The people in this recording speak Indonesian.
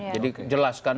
jadi jelas kan